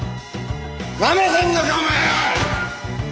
なめてんのかお前！